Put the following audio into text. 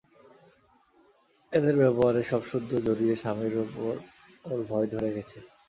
এদের ব্যবহারে সবসুদ্ধ জড়িয়ে স্বামীর উপর ওর ভয় ধরে গেছে।